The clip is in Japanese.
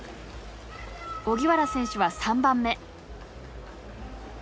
荻原選手は３番目。